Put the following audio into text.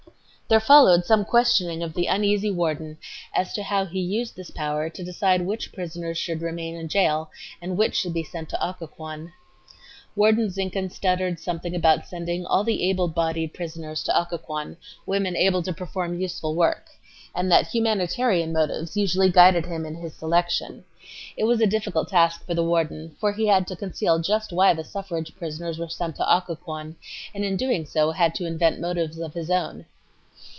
There followed some questioning of the uneasy warden as to how he used this power to decide which prisoners should remain in jail and which should be sent to Occoquan. Warden Zinkhan stuttered something about sending "all the able bodied prisoners to Occoquan—women able to perform useful work"—and that "humanitarian motives" usually guided him in his selection. It was a difficult task for the warden for he had to conceal just why the suffrage prisoners were sent to Occoquan, and in so doing had to invent "motives" of his own.